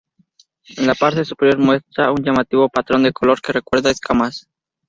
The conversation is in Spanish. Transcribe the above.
La parte superior muestra un llamativo patrón de color que recuerda a escamas.